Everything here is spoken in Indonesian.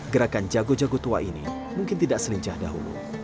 gerakan jago jago tua ini mungkin tidak selincah dahulu